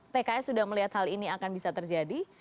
pks sudah melihat hal ini akan bisa terjadi